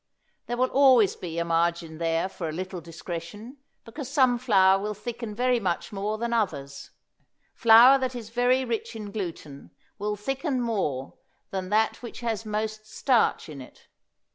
There will always be a margin there for a little discretion, because some flour will thicken very much more than others. Flour that is very rich in gluten will thicken more than that which has most starch in it.